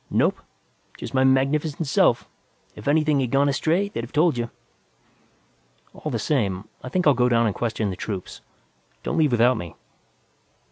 "Nope. Just my magnificent self. If anything had gone astray, they'd have told you." "All the same, I think I'll go down and question the troops. Don't leave without me."